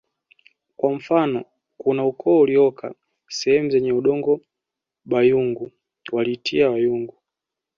Kwa mfano kuna ukoo uliokaa sehemu zenye udongo Bayungu walijiita Wayungu